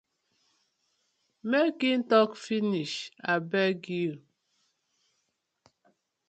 Mek im tok finish abeg yu.